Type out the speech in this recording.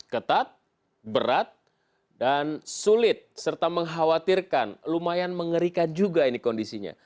ketat berat dan sulit serta mengkhawatirkan lumayan mengerikan juga ini kondisinya